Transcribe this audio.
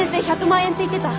１００万円って言ってた。